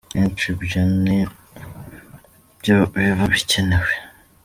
Akenshi ibyo ni byo biba bikenewe.